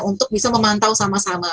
untuk bisa memantau sama sama